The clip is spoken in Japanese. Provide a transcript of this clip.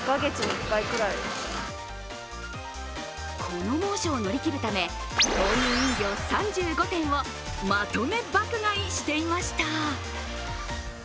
この猛暑を乗り切るため、豆乳飲料３５点をまとめ爆買いしていました。